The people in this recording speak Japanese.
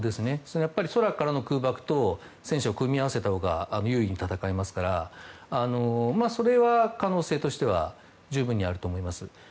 やっぱり、空からの空爆と戦車を組み合わせたほうが有利に戦えますからそれは可能性としては十分にあると思います。